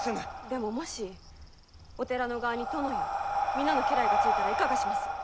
でももしお寺の側に殿や皆の家来がついたらいかがします？